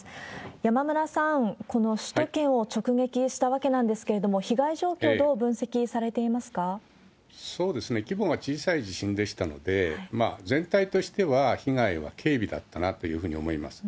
山村さん、この首都圏を直撃したわけなんですけれども、被害状況、規模が小さい地震でしたので、全体としては被害は軽微だったなというふうに思います。